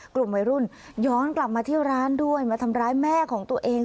กลุ่มวัยรุ่นย้อนกลับมาที่ร้านด้วยมาทำร้ายแม่ของตัวเอง